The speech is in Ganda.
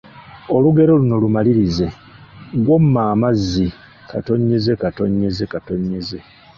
Olugero luno lumalirize: Gw'omma amazzi…